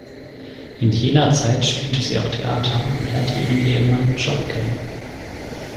In jener Zeit spielte sie auch Theater und lernte ihren Ehemann Job kennen.